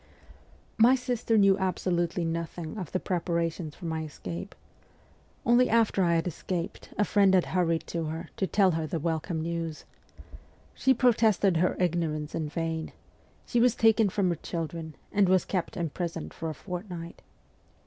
My sister knew absolutely nothing of the prepara tions for my escape. Only after I had escaped a friend had hurried to her, to tell her the welcome news. She protested her ignorance in vain : she was taken from her children, and was kept imprisoned for a fortnight.